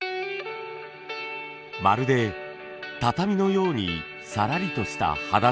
まるで畳のようにさらりとした肌触り。